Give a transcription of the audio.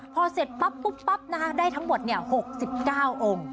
พอเสร็จปั๊บปุ๊บปั๊บได้ทั้งหมด๖๙องค์